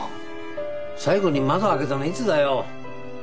最後に窓開けたのいつだよ？